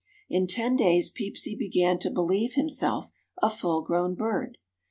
In ten days Peepsy began to believe himself a full grown bird.